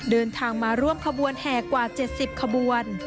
เดินทางมาร่วมขบวนแห่กว่า๗๐ขบวน